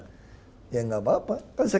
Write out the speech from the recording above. saya merangkak naik dari orang yang jatuh